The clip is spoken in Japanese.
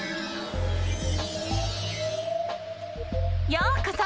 ようこそ！